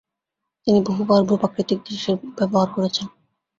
তিনি বহুবার ভূপ্রাকৃতিকদৃশ্যের ব্যবহার করেছেন।